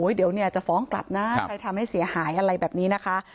เดี๋ยวจะฟ้องกลับนะใครทำให้เสียหายอะไรแบบนี้นะคะ